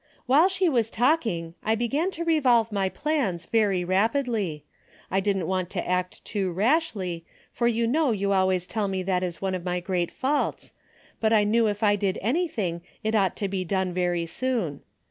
While she was talking I began to revolve my plans very rapidly. I didn't want to act too rashly, for you know you always tell me that is one of my great faults, but I knew if I did anything it ought to be done very soon.